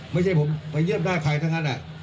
ไม่ใช่ผมไปเยี่ยมหน้าใครทั้งนั้น